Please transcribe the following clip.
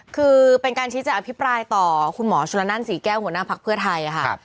คือเป็นการชี้แจงอภิปรายต่อคุณหมอชนละนั่นศรีแก้วหัวหน้าภักดิ์เพื่อไทยค่ะ